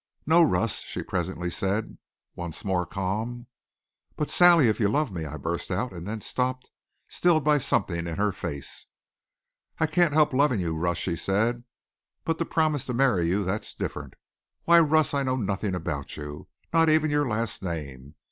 "No, Russ," she presently said, once more calm. "But Sally if you love me " I burst out, and then stopped, stilled by something in her face. "I can't help loving you, Russ," she said. "But to promise to marry you, that's different. Why, Russ, I know nothing about you, not even your last name.